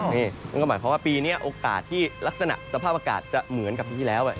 นี่นั่นก็หมายความว่าปีนี้โอกาสที่ลักษณะสภาพอากาศจะเหมือนกับปีที่แล้ว